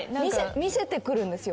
見せてくるんですよ。